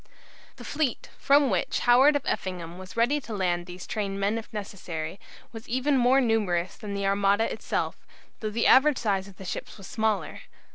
The fleet, from which Howard of Effingham was ready to land these trained men if necessary, was even more numerous than the Armada itself, though the average size of the ships was smaller.